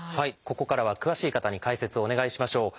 ここからは詳しい方に解説をお願いしましょう。